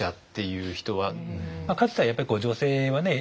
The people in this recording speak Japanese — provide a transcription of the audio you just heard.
かつてはやっぱり女性はね